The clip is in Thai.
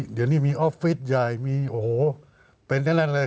เดี๋ยวนี้มีออฟฟิศใหญ่มีโอ้โห